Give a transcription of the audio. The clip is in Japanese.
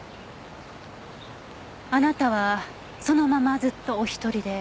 あなたはそのままずっとお一人で？